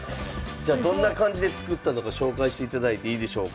じゃどんな感じで作ったのか紹介していただいていいでしょうか。